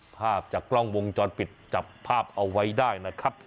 ภาพจากกล้องวงจรปิดจับภาพเอาไว้ได้นะครับ